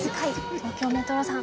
東京メトロさん